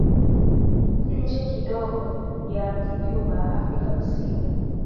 nje kidogo ya mji juba Afrika Kusini